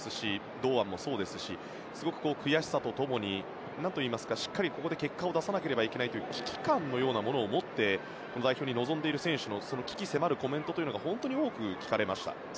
堂安もそうですし悔しさと共にしっかりここで結果を残さなければいけないというような危機感を持って代表に臨んでいる選手の鬼気迫るコメントが本当に多く聞かれました。